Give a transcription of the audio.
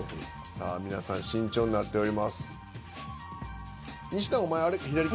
さあ皆さん慎重になっております。